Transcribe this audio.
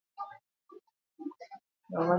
Lasterka Maulen elkarteko kidea da.